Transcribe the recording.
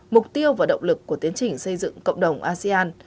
mục tiêu và động lực của tiến trình xây dựng cộng đồng asean